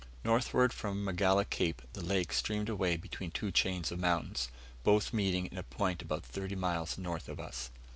Northward from Magala Cape the lake streamed away between two chains of mountains; both meeting in a point about thirty miles north of us.